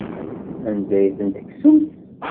Anda ay ten-tekksemt?